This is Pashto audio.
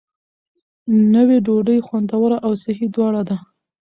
نوې ډوډۍ خوندوره او صحي دواړه ده.